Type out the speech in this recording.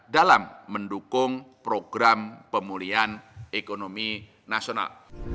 dalam mendukung program pemulihan ekonomi nasional